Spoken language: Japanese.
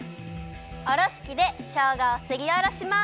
おろしきでしょうがをすりおろします。